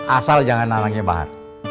asal jangan anaknya bahar